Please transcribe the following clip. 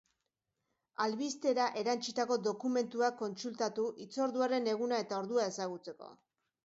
Albistera erantsitako dokumentuak kontsultatu hitzorduaren eguna eta ordua ezagutzeko.